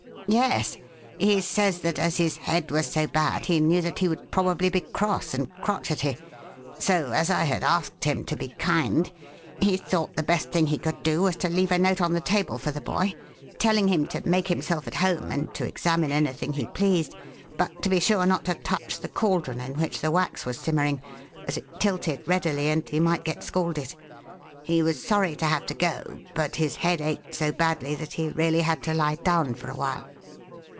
"Yes. He says that, as his head was so bad, he knew that he would probably be cross and crotchety; so as I had asked him to be kind, he thought the best thing he could do was to leave a note on the table for the boy, telling him to make himself at home and to examine anything he pleased, but to be sure not to touch the cauldron in which the wax was simmering, as it tilted readily and he might get scalded. He was sorry to have to go, but his head ached so badly that he really had to lie down for a while.